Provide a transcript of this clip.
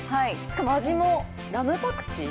しかも味もラムパクチー？